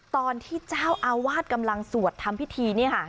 ตอนที่เจ้าอาวาสกำลังสวดทำพิธีเนี่ยค่ะ